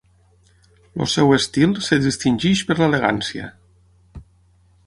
El seu estil es distingeix per l'elegància.